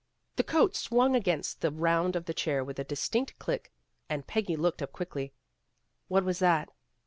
The coat swung against the round of the chair with a distinct clink, and Peggy looked up quickly. "What was that?"